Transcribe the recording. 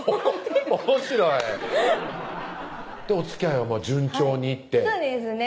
おもしろいおつきあいは順調にいってそうですね